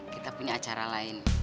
kita punya acara lain